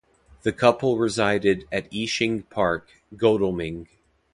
The couple resided at Eashing Park, Godalming.